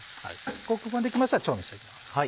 ここまできましたら調味していきます。